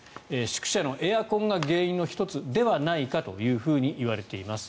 宿舎のエアコンが原因の１つではないかといわれています。